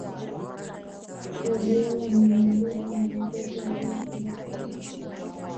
guardiola ni miongoni mwa makocha walioshinda mataji yote